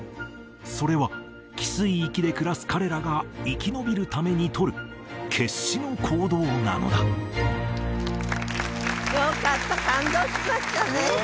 それは汽水域で暮らす彼らが生き延びるために取る決死の行動なのだよかった感動しましたね